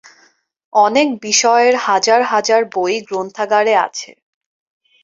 অনেক বিষয়ের হাজার হাজার বই গ্রন্থাগারে আছে।